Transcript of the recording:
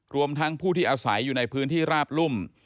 รวมทั้งผู้ที่อาศัยอยู่ในพื้นที่ราบรุ่ม